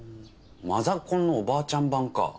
マザコンのおばあちゃん版か。